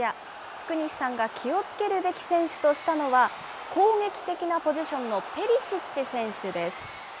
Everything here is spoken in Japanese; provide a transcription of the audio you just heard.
福西さんが気をつけるべき選手としたのは、攻撃的なポジションのペリシッチ選手です。